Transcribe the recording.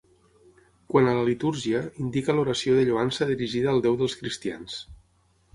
Quant a la litúrgia, indica l'oració de lloança dirigida al Déu dels cristians.